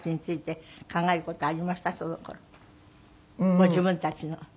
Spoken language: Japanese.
ご自分たちの。